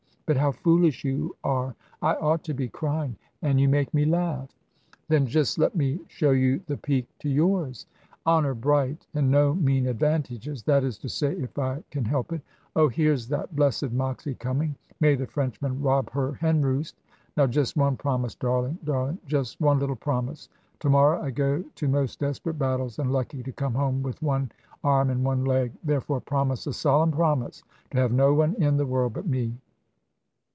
But how foolish you are! I ought to be crying, and you make me laugh." "Then just let me show you the peak to yours. Honour bright and no mean advantages that is to say if I can help it. Oh, here's that blessed Moxy coming! May the Frenchmen rob her hen roost! Now just one promise, darling, darling; just one little promise. To morrow I go to most desperate battles, and lucky to come home with one arm and one leg. Therefore, promise a solemn promise to have no one in the world but me."